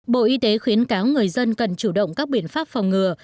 bộ y tế khuyến cáo người dân cần chủ động các biện pháp phòng ngừa